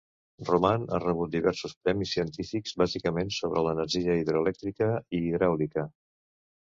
Roman ha rebut diversos premis científics, bàsicament sobre l'energia hidroelèctrica i hidràulica.